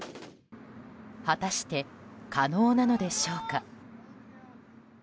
果たして、可能なのでしょうか？